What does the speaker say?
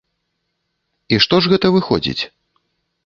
І што ж гэта выходзіць?